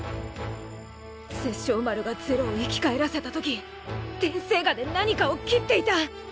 殺生丸が是露を生き返らせた時天生牙で何かを斬っていた